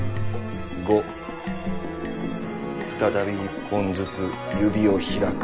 再び一本ずつ指を開く。